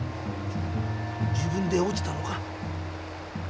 自分で落ちたのか？